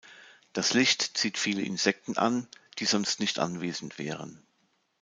Das Licht zieht viele Insekten an, die sonst nicht anwesend wären.